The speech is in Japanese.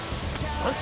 三振！